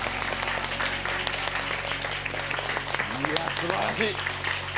すばらしい。